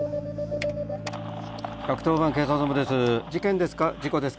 ☎１１０番警察本部です。